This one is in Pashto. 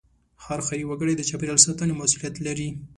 هر ښاري وګړی د چاپېریال ساتنې مسوولیت لري.